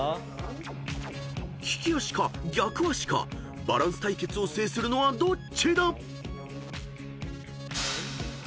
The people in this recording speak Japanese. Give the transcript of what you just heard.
［利き足か逆足かバランス対決を制するのはどっちだ⁉］